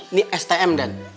ini stm den